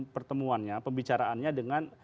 pertemuannya pembicaraannya dengan